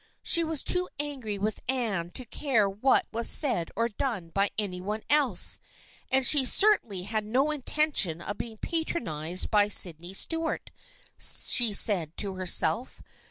She was too angry with Anne to care what was said or done by any one else, and she certainly had no intention of being patronized by Sydney Stuart, she said to herself.